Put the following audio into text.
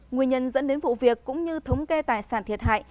nguyên nhân dẫn đến vụ việc cũng như thống kê tài sản thiệt hại